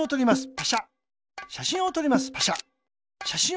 パシャ。